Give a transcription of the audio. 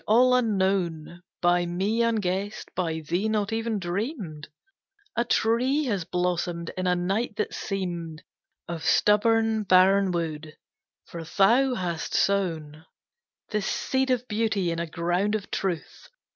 All unknown, By me unguessed, by thee not even dreamed, A tree has blossomed in a night that seemed Of stubborn, barren wood. For thou hast sown This seed of beauty in a ground of truth.